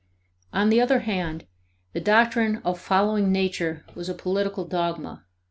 On the other hand, the doctrine of following nature was a political dogma.